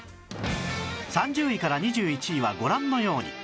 ３０位から２１位はご覧のように